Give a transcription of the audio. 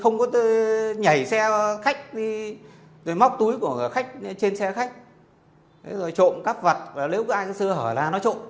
không có nhảy xe khách đi rồi móc túi của khách trên xe khách rồi trộm các vật nếu ai xưa hỏi là nó trộm